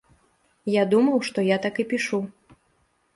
Я думаў, што я так і пішу.